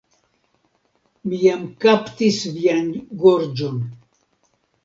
Mi jam kaptis vian gorĝon.